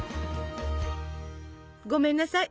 ごめんなさい